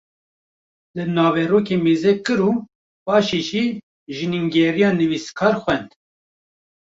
li naverokê mêzekir û paşê jî jînengeriya nivîskar xwend